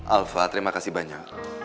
alva terima kasih banyak